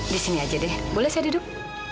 di sini aja deh boleh saya duduk